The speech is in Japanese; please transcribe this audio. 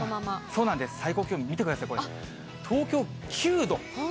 そうなんです、最高気温、見てください、これ、東京９度。